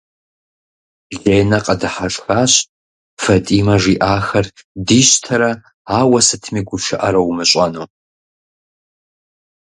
Ленэ къэдыхьэшхащ, Фатимэ жиӀахэр дищтэрэ ауэ сытми гушыӀэрэ умыщӀэну.